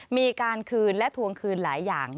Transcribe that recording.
มีการคืนและทวงคืนหลายอย่าง